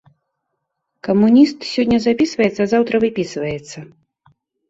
Камуніст сёння запісваецца, а заўтра выпісваецца.